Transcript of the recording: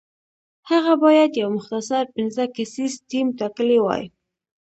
هغه باید یو مختصر پنځه کسیز ټیم ټاکلی وای.